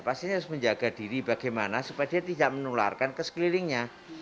pastinya harus menjaga diri bagaimana supaya dia tidak menularkan ke sekelilingnya